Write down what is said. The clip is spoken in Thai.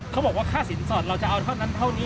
เขาบอกว่าค่าสินสอดเราจะเอาเท่านั้นเท่านี้